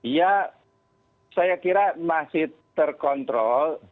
ya saya kira masih terkontrol